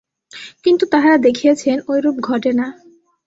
কিন্তু তাঁহারা দেখিয়াছেন, ঐরূপ ঘটে না।